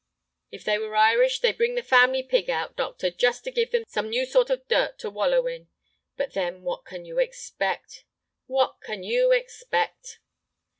If they were Irish, they'd bring the family pig out, doctor, just to give him some new sort of dirt to wallow in. But then, what can you expect—what can you expect?"